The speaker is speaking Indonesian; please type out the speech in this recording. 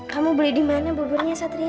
kamu beli di mana buburnya satria